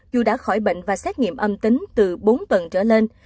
dù đã khỏi bệnh và xét nghiệm âm tính từ bốn tuần trở lên